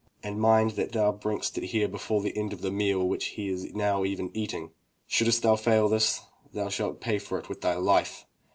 And mind that thou bringest it here before the end of the meal which he is even now eating. Shouldst thou fail to do this, thou shalt pay for it with thy Ufe."